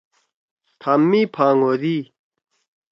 تھام می پھانگ ہودی۔